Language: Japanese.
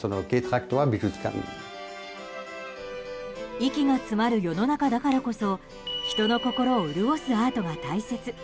息が詰まる世の中だからこそ人の心を潤すアートが大切。